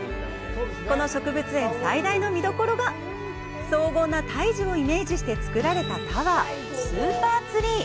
この植物園最大の見どころが、荘厳な大樹をイメージして作られたタワー、「スーパーツリー」。